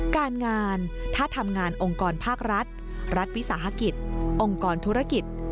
การงานถ้าทำงานองค์กรภาครัฐรัฐวิสาหกิจองค์กรธุรกิจ